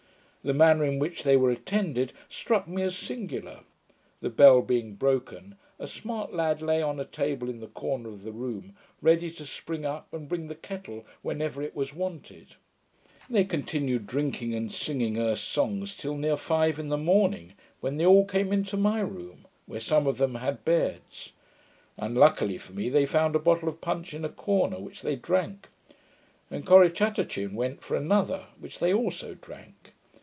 The manner in which they were attended struck me as singular: the bell being broken, a smart lad lay on a table in the corner of the room, ready to spring up and bring the kettle, whenever it was wanted. They continued drinking, and singing Erse songs, till near five in the morning, when they all came into my room, where some of them had beds. Unluckily for me, they found a bottle of punch in a corner, which they drank; and Corrichatachin went for another, which they also drank.